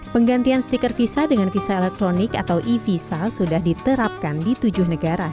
penggantian stiker visa dengan visa elektronik atau e visa sudah diterapkan di tujuh negara